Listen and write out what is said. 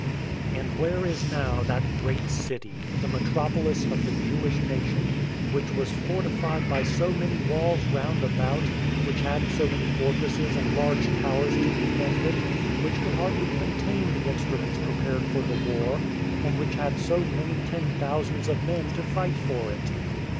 And where is now that great city, the metropolis of the Jewish nation, which was fortified by so many walls round about, which had so many fortresses and large towers to defend it, which could hardly contain the instruments prepared for the war, and which had so many ten thousands of men to fight for it?